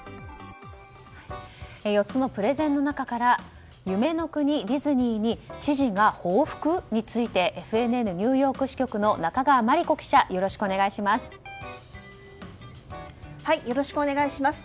４つのプレゼンの中から夢の国ディズニーに知事が報復？についてＦＮＮニューヨーク支局の中川真理子記者よろしくお願いします。